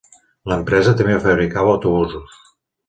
L'empresa també fabricava autobusos.